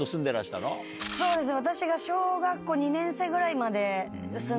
そうですね。